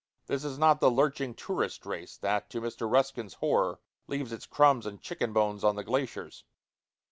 This is not the lunching, tourist race that, to Mr. Ruskin's horror, leaves its crumbs and chicken bones on the glaciers.